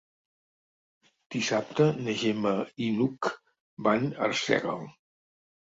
Dissabte na Gemma i n'Hug van a Arsèguel.